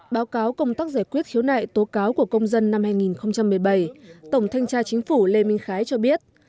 báo cáo công tác giải quyết khiếu nại tố cáo của công dân năm hai nghìn một mươi bảy tổng thanh tra chính phủ lê minh khái cho biết